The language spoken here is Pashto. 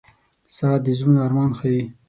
• ساعت د زړونو ارمان ښيي.